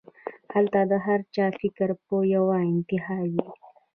هلته د هر چا فکر پۀ يوه انتها وي